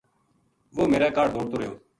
وُہ میرے کاہڈ دوڑتو رہیو